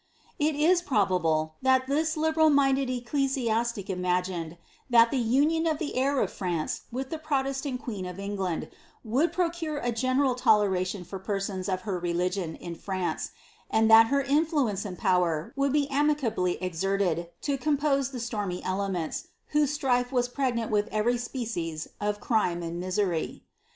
It is firobable that this liberal minded ecclesiastic imagined, that the anion of the heir of France with the protestant queen of England, wonld procure a general toleration for persons of her religion in France, and that her influence and power would be amicably exerted, to compose the stormy elements, whose strife was pregnant with every species of crime and misery.